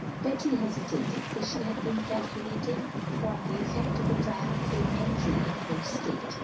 Betty hesitated, for she had been calculating upon the effect of a triumphal entry in full state.